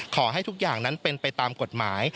ขอให้ทุกอย่างนั้นเป็นไปตามกฎหมาย